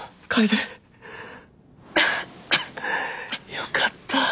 よかった